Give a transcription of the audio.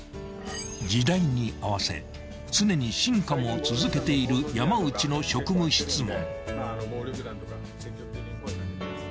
［時代に合わせ常に進化を続けている山内の職務質問］